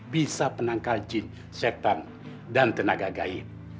bisa penangkal jin setan dan tenaga gait